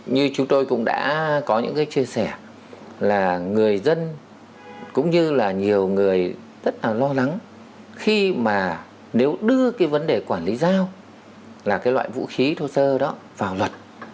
như chúng tôi cũng đã có những cái chia sẻ là người dân cũng như là nhiều người rất là lo lắng khi mà nếu đưa cái vấn đề quản lý dao là cái loại vũ khí thô sơ đó vào luật